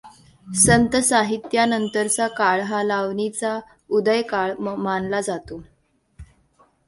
संत साहित्यानंतरचा काळ हा लावणीचा उदयकाळ मानला जातो.